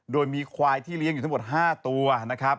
โดยมีควายที่เลี้ยงอยู่ทั้งหมด๕ตัวนะครับ